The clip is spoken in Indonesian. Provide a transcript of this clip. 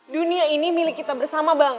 dunia ini milik kita bersama bang